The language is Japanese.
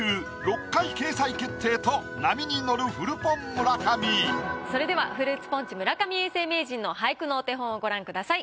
まずはここそれではフルーツポンチ村上永世名人の俳句のお手本をご覧ください。